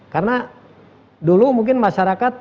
karena dulu mungkin masyarakat